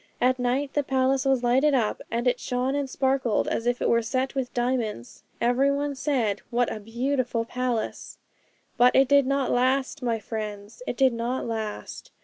At night the palace was lighted up, and it shone and sparkled as if it were set with diamonds. Every one said, "What a beautiful palace!" 'But it did not last, my friends, it did not last.